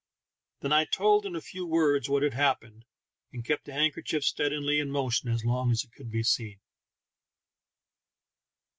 Then I told in a few words what had happened, and kept the handkerchief steadily in motion as long as it could be seen.